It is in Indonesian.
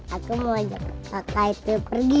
aku mau ajak kakak itu pergi